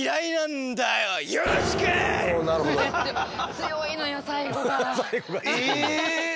強いのよ最後が。え！